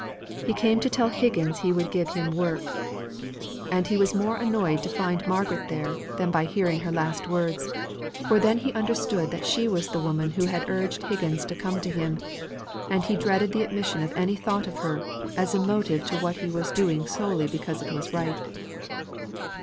He came to tell Higgins he would give him work; and he was more annoyed to find Margaret there than by hearing her last words; for then he understood that she was the woman who had urged Higgins to come to him; and he dreaded the admission of any thought of her, as a motive to what he was doing solely because it was right.